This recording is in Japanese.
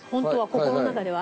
心の中では。